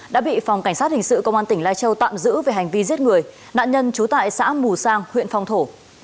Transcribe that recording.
đã bị phòng cảnh sát hình sự công an tỉnh lai châu tạm giữ về hành vi giết người nạn nhân trú tại xã mù sang huyện phong thổ